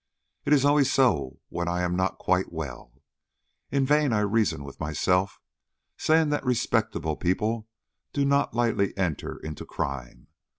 It is always so when I am not quite well. In vain I reason with myself, saying that respectable people do not lightly enter into crime.